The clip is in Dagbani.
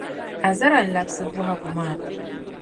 Azara n labsi bohagu maa.